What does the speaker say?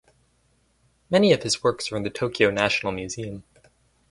Many of his works are in the Tokyo National Museum.